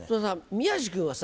宮治君はさ